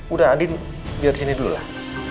udah andin biar di sini dulu lah